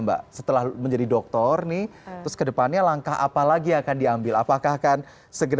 masih berantakan yang lebih bagus dan jelas dan latihan juga bisa kalian ikutin